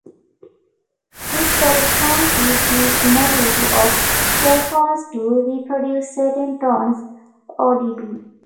This corresponds with the inability of cellphones to reproduce certain tones audibly.